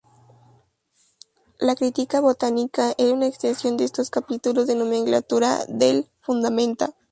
La "Critica Botanica" era una extensión de estos capítulos de nomenclatura del "Fundamenta".